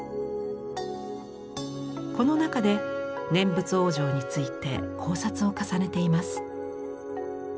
この中で念仏往生について考察を重ねています。